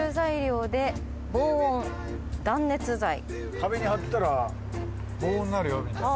壁に貼ったら防音になるよみたいな。